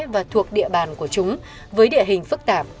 và thuộc địa bàn của chúng với địa hình phức tạp